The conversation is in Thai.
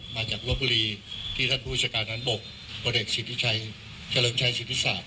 มาจากลบบุรีที่ท่านผู้จัดการทางบกพลเอกสิทธิชัยเฉลิมชัยสิทธิศาสต